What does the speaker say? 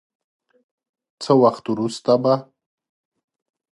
څه وخت وروسته به